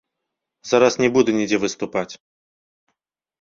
Зараз не буду нідзе выступаць.